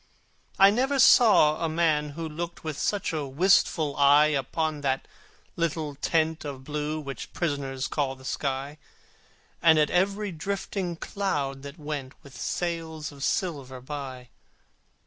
I never saw a man who looked With such a wistful eye Upon that little tent of blue Which prisoners call the sky, And at every drifting cloud that went With sails of silver by.